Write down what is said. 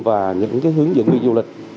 và những hướng dẫn viên du lịch